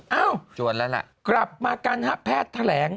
เอ้ากลับมากันฮะแพทย์แถลง